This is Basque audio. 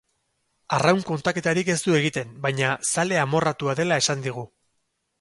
Arraun kontaketarik ez du egiten, baina zale amorratua dela esan digu.